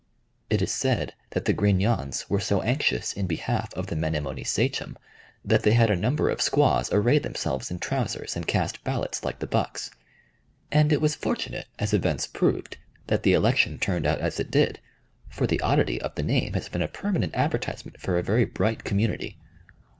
It is said that the Grignons were so anxious in behalf of the Menomonee sachem that they had a number of squaws array themselves in trousers and cast ballots like the bucks. And it was fortunate, as events proved, that the election turned out as it did, for the oddity of the name has been a permanent advertisement for a very bright community.